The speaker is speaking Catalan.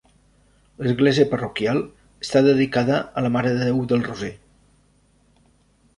L'església parroquial està dedicada a la Mare de Déu del Roser.